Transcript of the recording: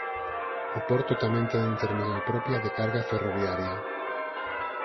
O porto tamén ten terminal propia de carga ferroviaria.